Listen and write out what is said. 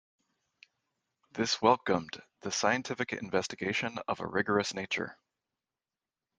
This welcomed the scientific investigation of a rigorous nature.